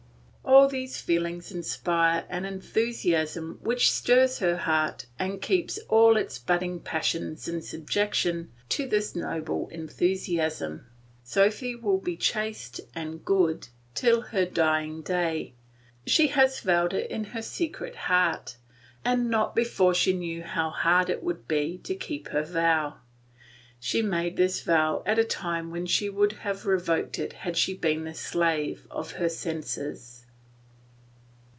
All these feelings inspire an enthusiasm which stirs her heart and keeps all its budding passions in subjection to this noble enthusiasm. Sophy will be chaste and good till her dying day; she has vowed it in her secret heart, and not before she knew how hard it would be to keep her vow; she made this vow at a time when she would have revoked it had she been the slave of her senses.